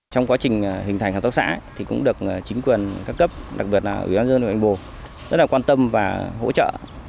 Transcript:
trong quá trình hình thành hợp tác xã thì cũng được chính quyền các cấp đặc biệt là huyện hoành bồ rất là quan tâm và hỗ trợ